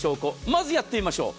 まずやってみましょう。